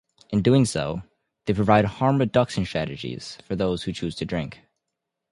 In doing so, they provide harm reduction strategies for those who choose to drink.